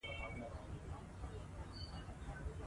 ازادي راډیو د د ښځو حقونه په اړه د کارګرانو تجربې بیان کړي.